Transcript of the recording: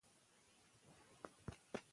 جوسونه د بدن اړتیاوې پوره نه کوي.